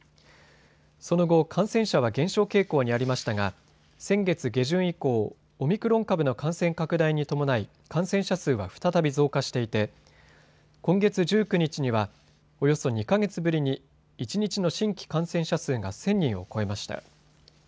その後、感染者は減少傾向にありましたが先月下旬以降、オミクロン株の感染拡大に伴い感染者数は再び増加していて今月１９日にはおよそ２か月ぶりに一日の新規感染者数が１０００人を超えました。